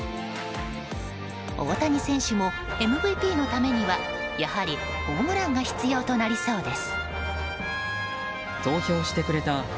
大谷選手もＭＶＰのためにはやはりホームランが必要となりそうです。